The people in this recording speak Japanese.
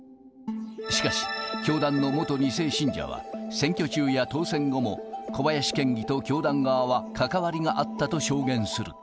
しかし、教団の元２世信者は、選挙中や当選後も、小林県議と教団側は関わりがあったと証言する。